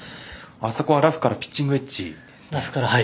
あそこはラフからピッチングウエッジですね。